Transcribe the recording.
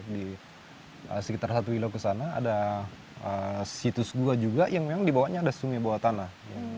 di sekitar satu kilo ke sana ada situs gua juga yang memang dibawahnya ada sungai bawah tanah